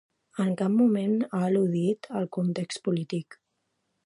En cap moment ha al·ludit al context polític.